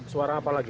suara apa lagi